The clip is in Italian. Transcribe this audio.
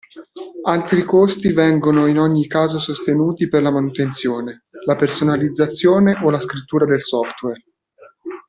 Altri costi vengono in ogni caso sostenuti per la manutenzione, la personalizzazione o la scrittura del software.